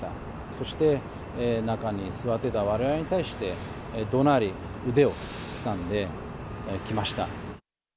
そして、中に座ってたわれわれにたいして、どなり、腕をつかんできました。